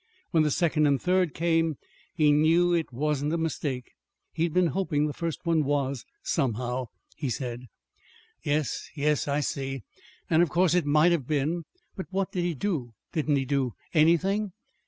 When the second and third came he knew it wasn't a mistake. He'd been hoping the first one was, somehow, he said." "Yes, yes, I see. And of course it might have been. But what did he do? Didn't he do anything?"